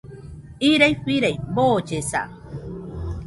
Irai firai, boollesa